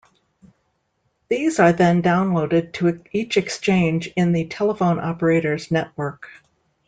These are then downloaded to each exchange in the telephone operators network.